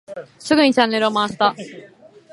すぐにチャンネルを回した。